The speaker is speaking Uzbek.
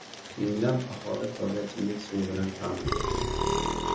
Minglab aholi toza ichimlik suvi bilan ta’minlandi